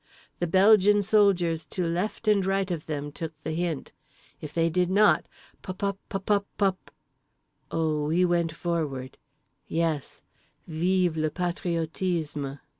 The Belgian soldiers to left and right of them took the hint. If they did not—pupupupupupup…. O we went forward. Yes. _Vive le patriotisme.